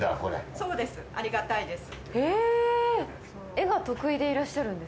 そうですありがたいです。